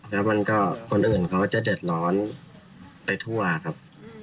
แล้วมันก็คนอื่นเขาก็จะเดือดร้อนไปทั่วครับ